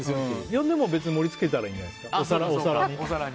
呼んでも別に盛り付けたらいいんじゃないですか、お皿に。